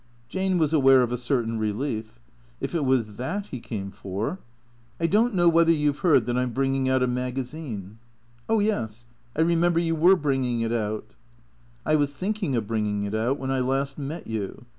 Jane was aware of a certain relief. If it was that he came for " I don't know whether you 've heard that I 'm bringing out a magazine ?"" Oh yes. I remember you were bringing it out "" I was thinking of bringing it out when I last met you.